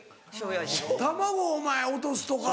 卵お前落とすとか。